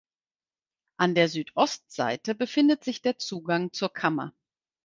An der Südostseite befindet sich der Zugang zur Kammer.